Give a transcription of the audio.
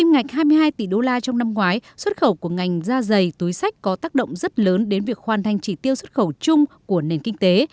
giảm hai mươi hai tỷ đô la trong năm ngoái xuất khẩu của ngành da dày túi sách có tác động rất lớn đến việc hoàn thành chỉ tiêu xuất khẩu chung của nền kinh tế